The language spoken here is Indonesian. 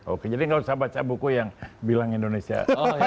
oke jadi nggak usah baca buku yang bilang indonesia